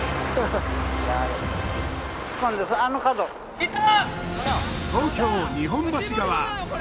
いた！